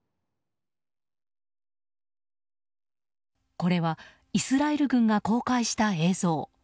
これはイスラエル軍が公開した映像。